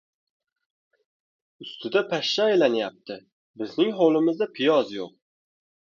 Ustida pashsha aylanyapti. Bizning hovlimizda piyoz yo‘q.